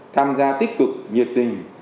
tham gia tích cực nhiệt tình